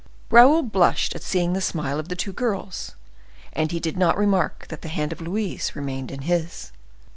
Raoul blushed at seeing the smile of the two girls; and he did not remark that the hand of Louise remained in his.